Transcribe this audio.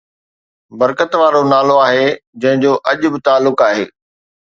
برڪت وارو نالو آهي جنهن جو اڄ به تعلق آهي